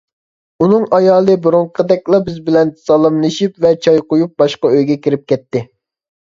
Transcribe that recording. ئۇنىڭ ئايالى بۇرۇنقىدەكلا بىز بىلەن سالاملىشىپ ۋە چاي قۇيۇپ، باشقا ئۆيگە كىرىپ كەتتى.